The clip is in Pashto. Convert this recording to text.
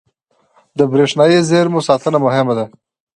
• د برېښنايي زېرمو ساتنه مهمه ده.